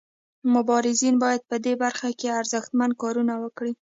مبارزین باید په دې برخه کې ارزښتمن کارونه وکړي.